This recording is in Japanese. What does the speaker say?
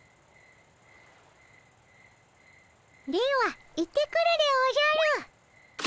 では行ってくるでおじゃる。